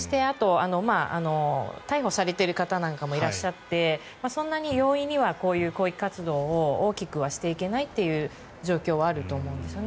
逮捕されている方なんかもいらっしゃってそんなに容易には抗議活動を大きくはしていけないという状況はあると思うんですよね。